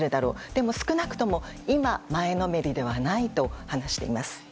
でも、少なくとも今は前のめりではないと話しています。